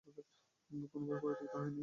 কোন ভাবই পরিত্যক্ত হয় নাই।